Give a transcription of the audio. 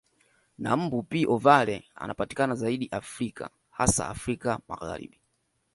Na mbu P ovale anapatikana zaidi Afrika hasa Afrika Magharibi